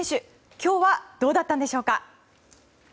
今日はどうだったんでしょうか。